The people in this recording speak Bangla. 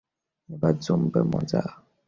এবার জমবে মজা!